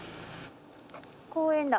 公園だ。